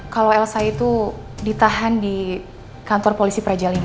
kalau elsa itu ditahan di kantor polisi praja v